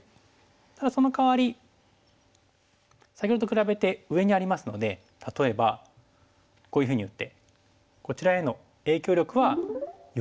ただそのかわり先ほどと比べて上にありますので例えばこういうふうに打ってこちらへの影響力はより強くなるんですね。